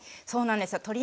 そうなんですよ。